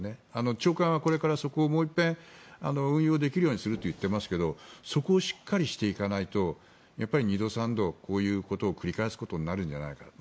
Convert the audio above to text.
長官はこれからそこをもう一遍運用できるようにすると言っていますけどそこをしっかりしていかないとやっぱり二度三度こういうことを繰り返すことになるのではないかと。